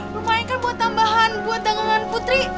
lumayan kan buat tambahan buat tanggungan putri